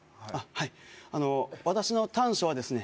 はいあの私の短所はですね